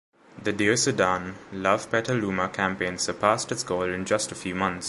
The "Dear Sudan, Love Petaluma," campaign surpassed its goal in just a few months.